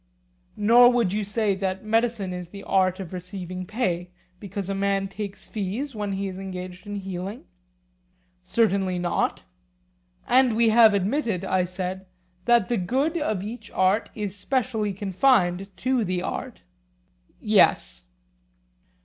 Nor would you say that medicine is the art of receiving pay because a man takes fees when he is engaged in healing? Certainly not. And we have admitted, I said, that the good of each art is specially confined to the art? Yes.